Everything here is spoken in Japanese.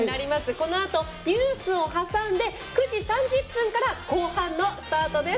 このあとニュースを挟んで９時３０分の後半のスタートです。